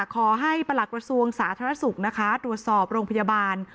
ขอให้ประหลักประสูงสาธารสุขนะคะตรวจสอบโรงพยาบาล